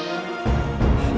just sayang sendiri